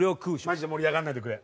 マジで盛り上がらないでくれ。